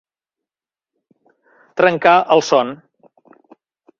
Trencar el son.